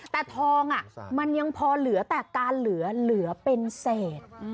แต่ทองมันยังพอเหลือแต่การเหลือเป็นเศษ